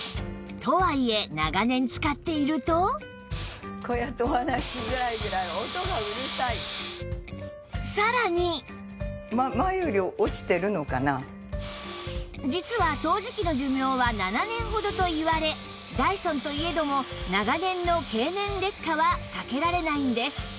全然よそのととはいえこうやって実は掃除機の寿命は７年ほどといわれダイソンといえども長年の経年劣化は避けられないんです